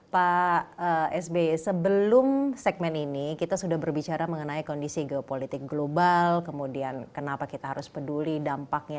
pak sby sebelum segmen ini kita sudah berbicara mengenai kondisi geopolitik global kemudian kenapa kita harus peduli dampaknya